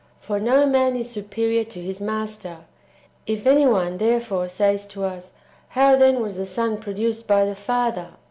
For no man is superior to his master. ^ If any one, therefore, says to us, " How then was the Son pro duced by the Father?"